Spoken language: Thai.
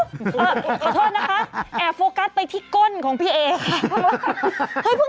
ขอโทษนะคะแอบโฟกัสไปที่ก้นของพี่เอค่ะ